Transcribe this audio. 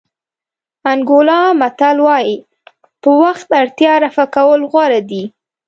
انګولا متل وایي په وخت اړتیا رفع کول غوره دي.